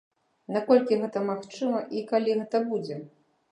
Наколькі гэта магчыма і калі гэта будзе?